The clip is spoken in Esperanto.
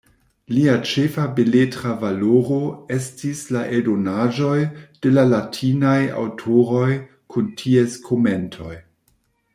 Lia ĉefa beletra valoro estis la eldonaĵoj de la latinaj aŭtoroj kun ties komentoj.